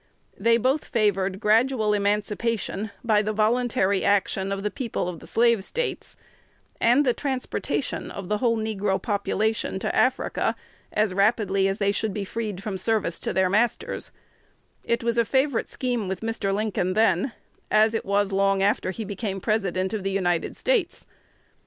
They both favored gradual emancipation by the voluntary action of the people of the Slave States, and the transportation of the whole negro population to Africa as rapidly as they should be freed from service to their masters: it was a favorite scheme with Mr. Lincoln then, as it was long after he became President of the United States.